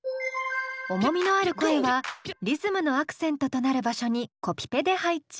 重みのある声はリズムのアクセントとなる場所にコピペで配置。